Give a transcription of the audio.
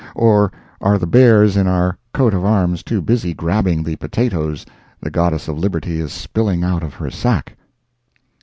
or are the bears in our coat of arms too busy grabbing the potatoes the Goddess of Liberty is spilling out of her sack?